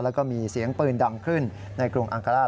แล้วก็มีเสียงปืนดังขึ้นในกรุงอังการ่า